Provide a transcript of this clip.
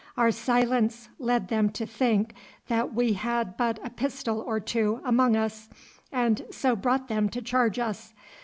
'Our silence led them to think that we had but a pistol or two among us, and so brought them to charge us.